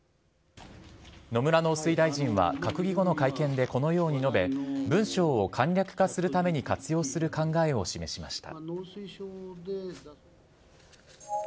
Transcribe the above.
野村農水大臣は閣議後の会見でこのように述べ、文章を簡略化するために活用する考えを示しました。